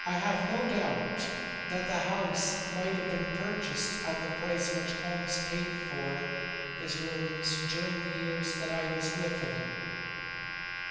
I have no doubt that the house might have been purchased at the price which Holmes paid for his rooms during the years that I was with him.